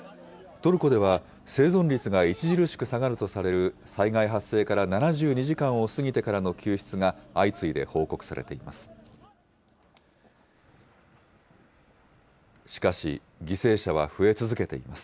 トルコでは、生存率が著しく下がるとされる災害発生から７２時間を過ぎてからの救出が相次いで報告されています。